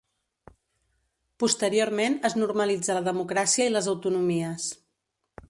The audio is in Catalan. Posteriorment es normalitza la democràcia i les autonomies.